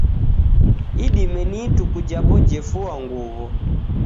Idime ni ituku japo jefua nguw'o.